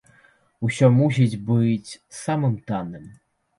Усё мусіць быць самым танным.